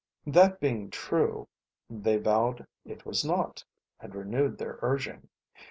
That being true, they vowed it was not, and renewed their urging.